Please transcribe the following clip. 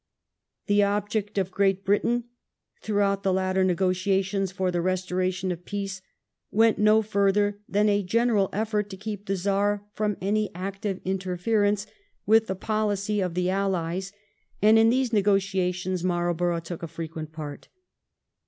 The object of Great Britain throughout the later negotiations for the restoration of peace went no farther than a general effort to keep the Czar from any active interference with the poHcy of the Allies, and in these negotiations Marlborough took a frequent part.